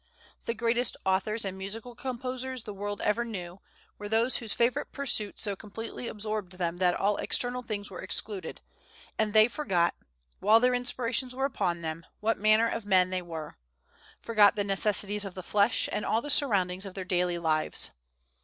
The greatest authors and musical composers the world ever knew, were those whose favorite pursuit so completely absorbed them that all external things were excluded, and they forgot, while their inspirations were upon them, what manner of men they were, forgot the necessities of the flesh, and all the surroundings of their daily lives.